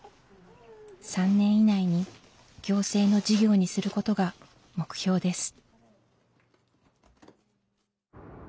３年以内に行政の事業にすることが目標です。